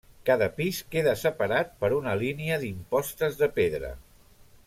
Cada pis queda separat per una línia d'impostes de pedra.